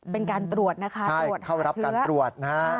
เป็นการตรวจนะคะตรวจหาเชื้อใช่เข้ารับการตรวจนะฮะ